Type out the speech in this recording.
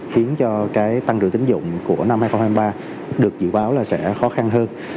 khiến cho cái tăng trưởng tính dụng của năm hai nghìn hai mươi ba được dự báo là sẽ khó khăn hơn